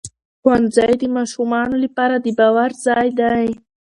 ښوونځی د ماشومانو لپاره د باور ځای دی